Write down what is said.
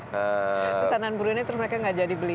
pesanan brunei terus mereka nggak jadi beli